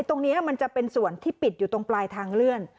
ตรงนี้มันจะเป็นส่วนที่ปิดอยู่ตรงปลายทางเลื่อน